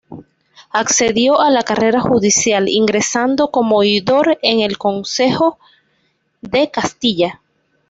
Accedió a la carrera judicial, ingresando como oidor en el Consejo de Castilla.